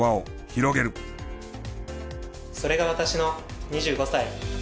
それが私の２５歳。